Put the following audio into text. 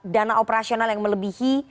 dana operasional yang melebihi